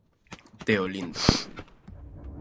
Deolinda.